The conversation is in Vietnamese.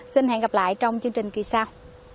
xin hẹn gặp lại trong chương trình kỳ sau